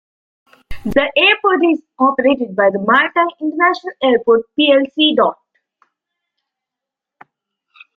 The airport is operated by Malta International Airport plc.